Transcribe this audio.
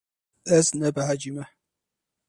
Ez nebehecî me.